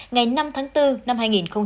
ngày năm tháng bốn năm hai nghìn hai mươi